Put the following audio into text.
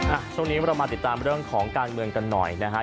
ช่วงนี้เรามาติดตามเรื่องของการเมืองกันหน่อยนะฮะ